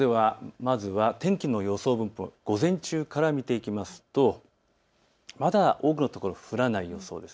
まずは天気の予想分布、午前中から見ていきますとまだ多くの所、降らない予想です。